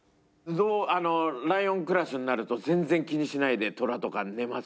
あのライオンクラスになると全然気にしないでトラとか寝ます。